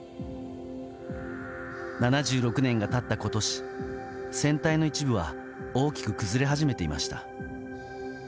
７６年が経った今年船体の一部は大きく崩れ始めていました。